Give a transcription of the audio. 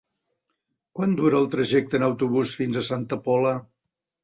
Quant dura el trajecte en autobús fins a Santa Pola?